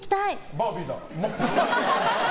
バービーだ。